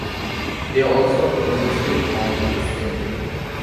They also enlisted on the same day.